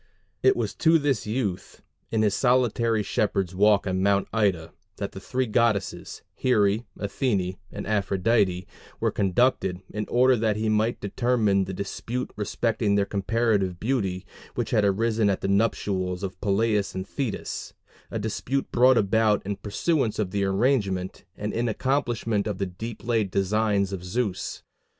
It was to this youth, in his solitary shepherd's walk on Mount Ida, that the three goddesses, Here, Athene, and Aphrodite, were conducted, in order that he might determine the dispute respecting their comparative beauty, which had arisen at the nuptials of Peleus and Thetis, a dispute brought about in pursuance of the arrangement, and in accomplishment of the deep laid designs of Zeus.